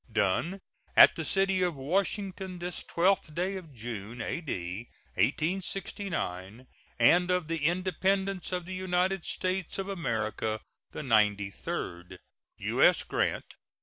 Done at the city of Washington, this 12th day of June, A.D. 1869, and of the Independence of the United States of America the ninety third. U.S. GRANT.